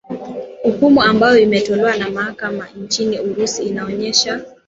ukumu ambayo imetolewa na mahakama nchini urusi inaonyesha